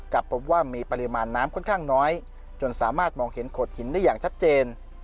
กลับพบว่ามีปริมาณน้ำค่อนข้างน้อยจนสามารถมองเห็นโขดหินได้อย่างชัดเจน